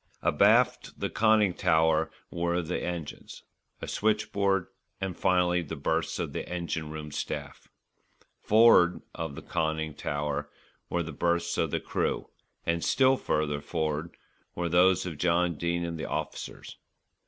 Abaft the conning tower were the engines, a switchboard, and finally the berths of the engine room staff. For'ard of the conning tower were the berths of the crew, and still further for'ard were those of John Dene and the officers.